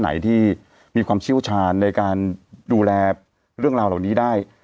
ไหนที่มีความเชี่ยวชาญในการดูแลเรื่องราวเหล่านี้ได้